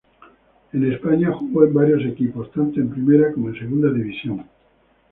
En España jugó en varios equipos, tanto en primera como en segunda división.